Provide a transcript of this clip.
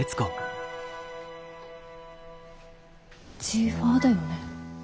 ジーファーだよね？